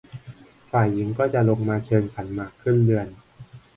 ฝ่ายหญิงก็จะลงมาเชิญขันหมากขึ้นเรือน